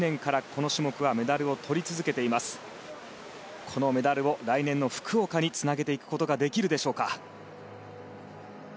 このメダルを来年の福岡につなげていくことができるでしょうか。